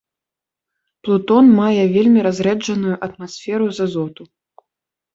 Плутон мае вельмі разрэджаную атмасферу з азоту.